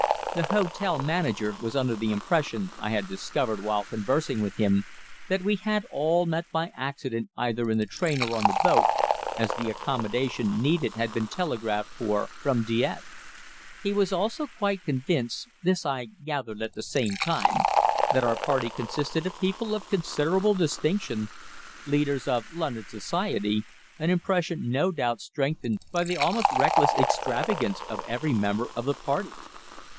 The hotel manager was under the impression, I had discovered while conversing with him, that we had all met by accident either in the train or on the boat, as the accommodation needed had been telegraphed for from Dieppe. He also was quite convinced this I gathered at the same time that our party consisted of people of considerable distinction, leaders of London Society, an impression no doubt strengthened by the almost reckless extravagance of every member of the party.